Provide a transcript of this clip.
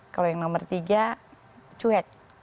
kalau yang nomor tiga cuek